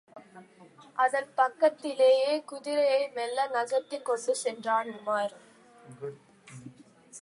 அதன் பக்கத்திலேயே குதிரையை மெல்ல நகர்த்திக் கொண்டு சென்றான் உமார்.